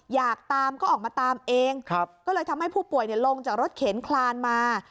อยากตามก็ออกมาตามเองก็เลยทำให้ผู้ป่วยลงจากรถเข็นคลานมา